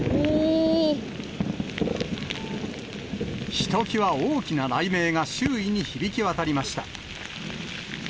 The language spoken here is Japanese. ひときわ大きな雷鳴が周囲に響き渡りました。